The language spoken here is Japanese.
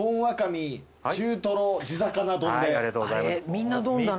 みんな丼だな。